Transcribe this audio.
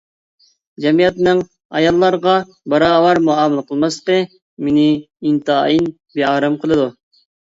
جەمئىيەتنىڭ ئاياللارغا باراۋەر مۇئامىلە قىلماسلىقى مېنى ئىنتايىن بىئارام قىلىدۇ.